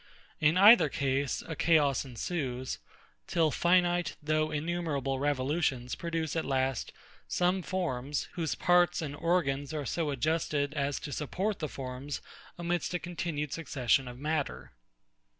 In either case, a chaos ensues; till finite, though innumerable revolutions produce at last some forms, whose parts and organs are so adjusted as to support the forms amidst a continued succession of matter.